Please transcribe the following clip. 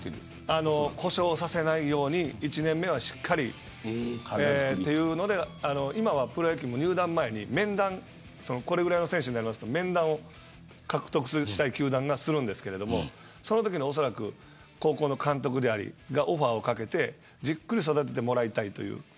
故障させないように１年目はしっかりというので今はプロ野球も入団前にこれぐらいの選手になりますと面談を獲得したい球団がするんですけれどそのときのおそらく高校の監督なりがオファーをかけてじっくり育ててもらいたいという。